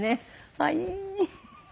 はい。